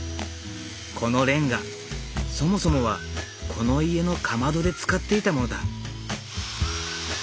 このレンガそもそもはこの家のかまどで使っていたものだ。